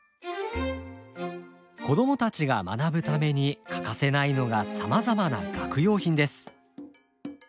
子供たちが学ぶために欠かせないのがさまざまな学用品です。